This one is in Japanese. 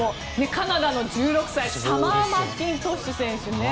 カナダの１６歳サマー・マッキントッシュ選手。